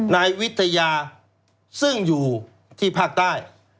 นายวิทยาซึ่งอยู่ที่ภาคใต้